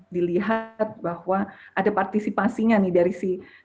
dilihat bahwa ada partisipasinya nih dari si